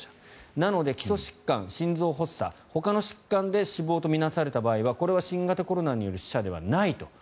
なので基礎疾患、心臓発作ほかの疾患で死亡と見なされた場合は新型コロナによる死者ではない。